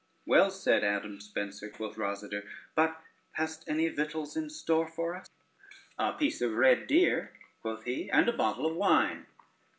"Well said, Adam Spencer," quoth Rosader, "but hast any victuals in store for us?" "A piece of a red deer," quoth he, "and a bottle of wine."